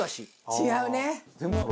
違うね。